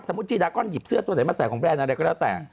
จีดาก้อนหยิบเสื้อตัวไหนมาใส่ของแบรนดอะไรก็แล้วแต่